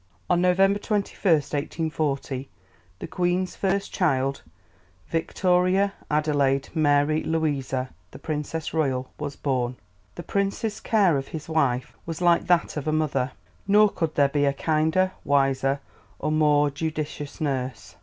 On November 21, 1840, the Queen's first child, Victoria Adelaide Mary Louisa, the Princess Royal, was born. The Prince's care of his wife "was like that of a mother, nor could there be a kinder, wiser, or more judicious nurse."